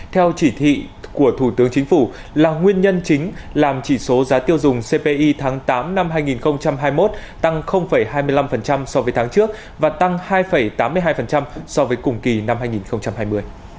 theo chỉ thị của thủ tướng chính phủ là nguyên nhân chính làm chỉ số giá tiêu dùng cpi tháng tám năm hai nghìn hai mươi một tăng hai mươi năm so với tháng trước và tăng hai tám mươi hai so với cùng kỳ năm hai nghìn hai mươi